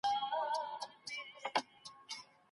قاضي به ئې پر طلاق مجبوروي.